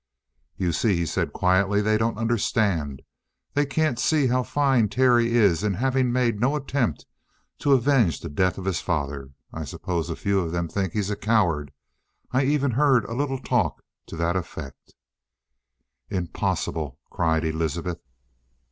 "You see," he said quietly, "they don't understand. They can't see how fine Terry is in having made no attempt to avenge the death of his father. I suppose a few of them think he's a coward. I even heard a little talk to that effect!" "Impossible!" cried Elizabeth.